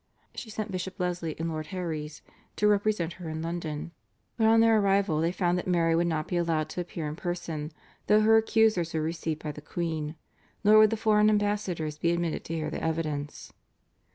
She sent Bishop Leslie and Lord Herries to represent her in London, but on their arrival they found that Mary would not be allowed to appear in person, though her accusers were received by the queen, nor would the foreign ambassadors be admitted to hear the evidence.